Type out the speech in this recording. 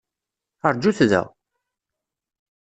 Rǧut da!